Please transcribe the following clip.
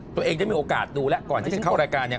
ตัวเองได้มีโอกาสดูแล้วก่อนที่จะเข้ารายการเนี่ย